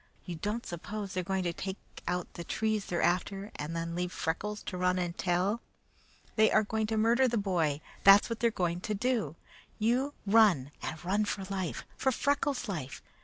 You don't suppose they are going to take out the trees they're after and then leave Freckles to run and tell? They are going to murder the boy; that's what they are going to do. You run, and run for life! For Freckles' life!